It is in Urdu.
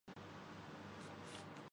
ان کے شوخ رنگ قاری پر جادو کر دیتے ہیں